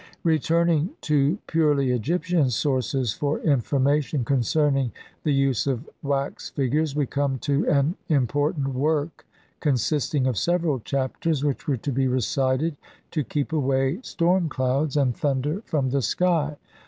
Returning to purely Egyptian sources for informa tion concerning the use of wax figures we come to an important work, 1 consisting of several Chapters which were to be recited to keep away storm clouds and thunder from the sky.